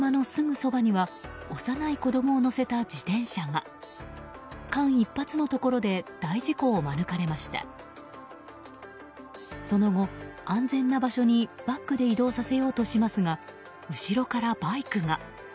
その後、安全な場所にバックで移動させようとしますが後ろからバイクが。